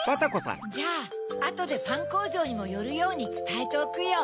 じゃああとでパンこうじょうにもよるようにつたえておくよ。